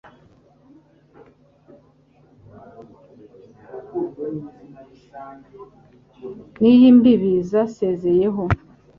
N' iy' imbibi zaseseyeho